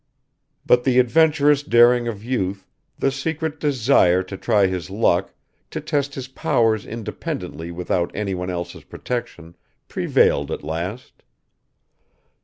But the adventurous daring of youth, the secret desire to try his luck, to test his powers independently without anyone else's protection prevailed at last.